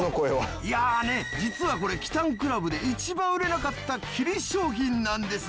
いやね実はこれキタンクラブで一番売れなかったキリ商品なんです。